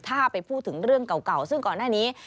ถ้าไปพูดถึงเรื่องเก่าซึ่งก่อนหน้านี้